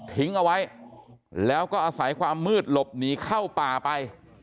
เอาไว้แล้วก็อาศัยความมืดหลบหนีเข้าป่าไป